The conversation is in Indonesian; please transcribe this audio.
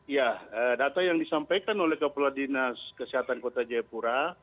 ya data yang disampaikan oleh kepala dinas kesehatan kota jayapura